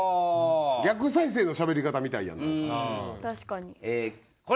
逆再生のしゃべり方みたいやんか。